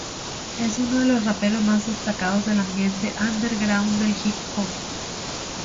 Es uno de los raperos más destacados del ambiente underground del Hip-Hop.